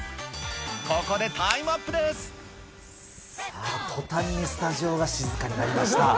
さあ、途端にスタジオが静かになりました。